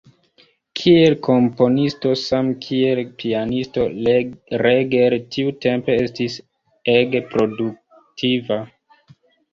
Kiel komponisto same kiel pianisto Reger tiutempe estis ege produktiva.